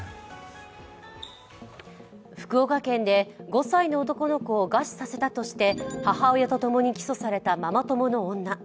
福岡県で５歳の男の子を餓死させたとして母親とともに起訴されたママ友の女。